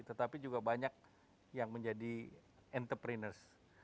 tetapi juga banyak yang menjadi entrepreneurs